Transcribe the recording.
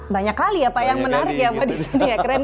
banyak kali ya pak yang menarik ya pak di sini ya keren